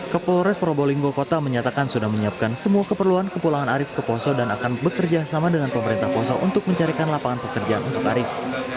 kepolres probolinggo kota menyatakan sudah menyiapkan semua keperluan kepulangan arief ke poso dan akan bekerja sama dengan pemerintah poso untuk mencarikan lapangan pekerjaan untuk arief